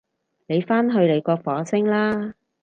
你返去你個火星啦